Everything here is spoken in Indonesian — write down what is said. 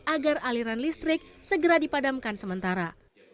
agar aliran listrik segera dipadamkan sementara